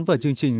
và chương trình